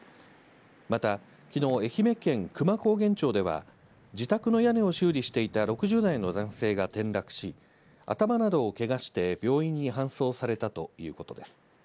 また、きのう愛媛県久万高原町では、自宅の屋根を修理していた６０代の男性が転落し、頭などをけがして病院に搬送されたということです。